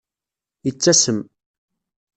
Yettasem.